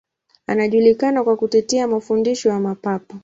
Alijulikana kwa kutetea mafundisho ya Mapapa.